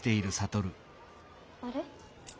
あれ？